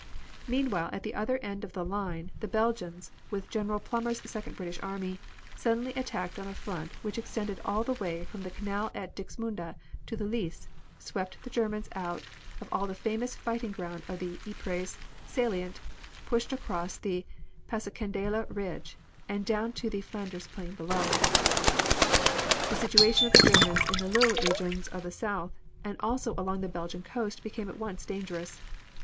Meanwhile at the other end of the line the Belgians, with General Plumer's Second British Army, suddenly attacked on a front which extended all the way from the canal at Dixmude to the Lys, swept the Germans out of all the famous fighting ground of the Ypres salient, pushed across the Passchendaele Ridge and down into the Flanders plain below. The situation of the Germans in the Lille regions of the south and also along the Belgian coast became at once dangerous.